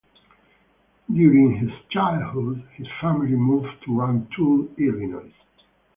During his childhood, his family moved to Rantoul, Illinois.